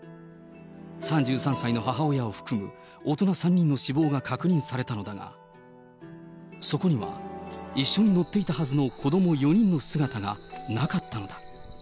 ３３歳の母親を含む大人３人の死亡が確認されたのだが、そこには一緒に乗っていたはずの子ども４人の姿がなかったのだ。